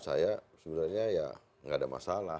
saya sebenarnya ya nggak ada masalah